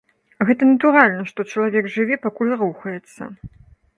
Гэта натуральна, што чалавек жыве, пакуль рухаецца.